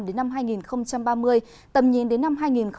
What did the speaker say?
đến năm hai nghìn ba mươi tầm nhìn đến năm hai nghìn bốn mươi năm